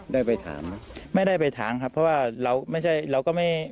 ได้ไปถามไหมไม่ได้ไปถามครับเพราะว่าเราไม่ใช่เราก็ไม่